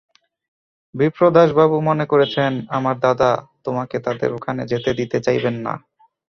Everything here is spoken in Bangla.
বিপ্রদাসবাবু মনে করেছেন আমার দাদা তোমাকে তাঁদের ওখানে যেতে দিতে চাইবেন না।